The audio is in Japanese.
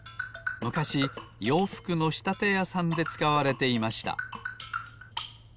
むかしようふくのしたてやさんでつかわれていました。